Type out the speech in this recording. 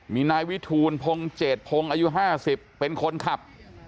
มีนายวิทูลพงเจดพงศ์อายุ๕๐เป็นคนขับ